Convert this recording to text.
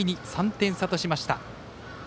３点差としました。